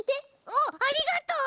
あっありがとう！